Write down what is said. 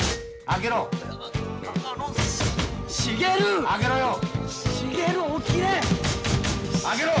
開けろ！